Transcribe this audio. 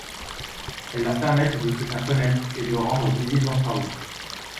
Elles leur permettent de se faire connaitre et de rendre visibles leurs travaux.